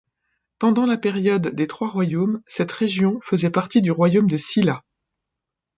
Pendant la période des trois royaumes, cette région faisait partie du royaume de Silla.